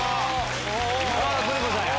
山田邦子さんや！